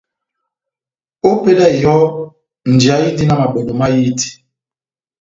Ó epédi yá eyɔ́, njeyá inidini na mabɔ́dɔ mahiti.